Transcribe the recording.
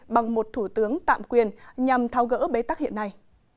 bằng một thủ tướng tạm quyền nhằm tháo gỡ bế tắc hiện nay